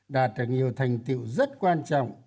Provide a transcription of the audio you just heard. đạt được nhiều thành tiệu rất quan trọng